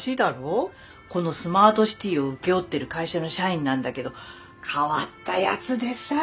このスマートシティを請け負ってる会社の社員なんだけど変わったやつでさ。